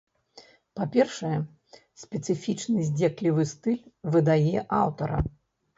Па-першае, спецыфічны здзеклівы стыль выдае аўтара.